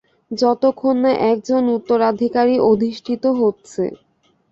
যতক্ষণ না একজন উত্তরাধিকারী অধিষ্ঠিত হচ্ছে।